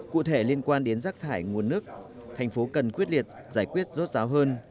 cụ thể liên quan đến rác thải nguồn nước thành phố cần quyết liệt giải quyết rốt ráo hơn